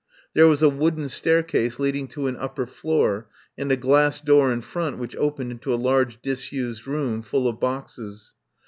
There was a wooden staircase leading to an upper floor, and a glass door in front which opened into a large disused room full of boxes.